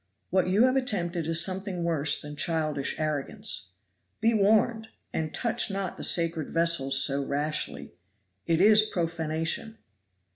What you have attempted is something worse than childish arrogance. Be warned! and touch not the sacred vessels so rashly it is profanation."